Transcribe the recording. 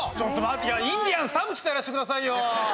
インディアンス田渕とやらせてくださいよ！